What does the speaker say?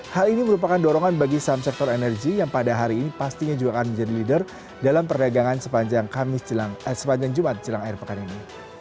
hal ini merupakan dorongan bagi saham sektor energi yang pada hari ini pastinya juga akan menjadi leader dalam perdagangan sepanjang jumat jelang air pekan ini